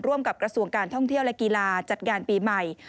กับกระทรวงการท่องเที่ยวและกีฬาจัดงานปีใหม่